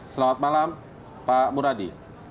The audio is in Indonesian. selamat malam pak muradi